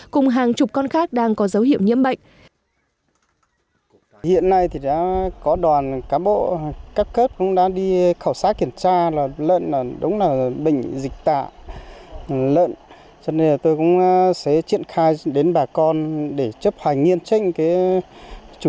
cùng hàng chục con khác đang có dấu hiệu nhiễm bệnh